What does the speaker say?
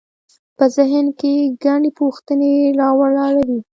په ذهن کې ګڼې پوښتنې راولاړوي.